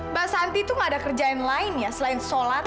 mbak santi itu nggak ada kerjain lain ya selain sholat